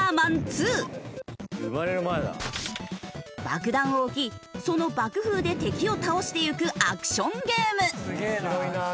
爆弾を置きその爆風で敵を倒していくアクションゲーム。